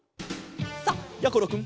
さあやころくん